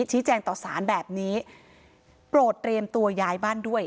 ชี้แจงต่อสารแบบนี้โปรดเตรียมตัวย้ายบ้านด้วย